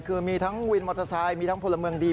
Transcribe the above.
คือมีทั้งวินมอเตอร์ไซค์มีทั้งพลเมืองดี